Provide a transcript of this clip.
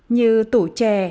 như tủ chè